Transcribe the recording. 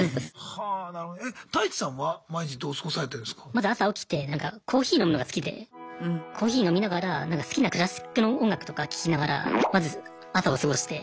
まず朝起きてコーヒー飲むのが好きでコーヒー飲みながら好きなクラシックの音楽とか聴きながらまず朝を過ごして。